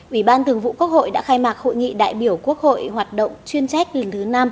ủy ban thường vụ quốc hội đã khai mạc hội nghị đại biểu quốc hội hoạt động chuyên trách lần thứ năm